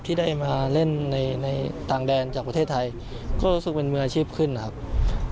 ที่ได้มาเล่นในต่างแดนจากประเทศไทยก็รู้สึกเป็นมืออาชีพขึ้นนะครับ